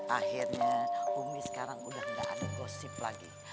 akhirnya umi sekarang udah gak ada gosip lagi